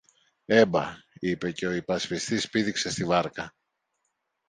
Έμπα, είπε, και ο υπασπιστής πήδηξε στη βάρκα.